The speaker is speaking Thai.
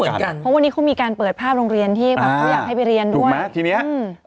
เพราะวันนี้เขามีการเปิดภาพโรงเรียนที่อยากให้ไปเรียนด้วย